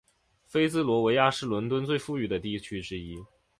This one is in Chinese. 菲茨罗维亚是伦敦最富裕的地区之一。